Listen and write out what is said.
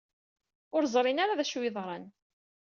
Ur ẓrin ara d acu ay yeḍran.